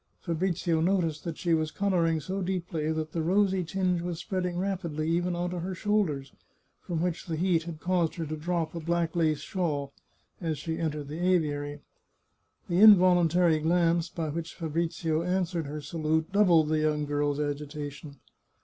Fabrizio noticed she was colouring so deeply that the rosy tinge was spreading rapidly even on to her shoulders, from which the heat had caused her to drop a black lace shawl, as she entered the aviary. The involuntary glance by which Fabrizio answered her salute doubled the young girl's agita tion.